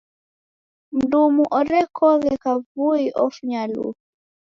Mndumu orekoghe kavui ofunya lufu.